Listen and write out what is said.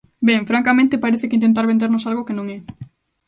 Ben, francamente, parece que é intentar vendernos algo que non é.